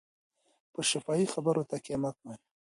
په شفاهي خبرو تکیه مه کوئ.